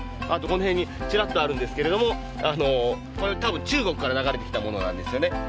あとこの辺にちらっとあるんですけれどもこれ多分中国から流れてきたものなんですよね。